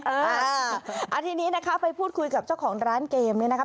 อ่าทีนี้นะคะไปพูดคุยกับเจ้าของร้านเกมเนี่ยนะคะ